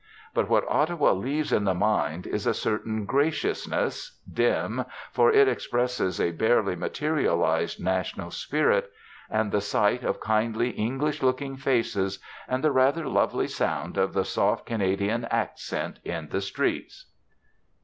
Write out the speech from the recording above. But what Ottawa leaves in the mind is a certain graciousness dim, for it expresses a barely materialised national spirit and the sight of kindly English looking faces, and the rather lovely sound of the soft Canadian accent, in the streets.